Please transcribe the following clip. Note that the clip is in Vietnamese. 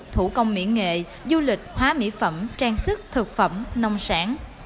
thủ công mỹ nghệ du lịch hóa mỹ phẩm trang sức thực phẩm nông sản